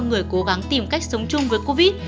người cố gắng tìm cách sống chung với covid